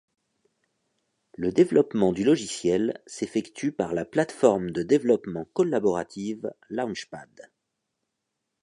Le développement du logiciel s'effectue par la plateforme de développement collaborative Launchpad.